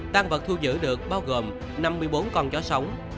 tăng vật thu giữ được bao gồm năm mươi bốn con chó sống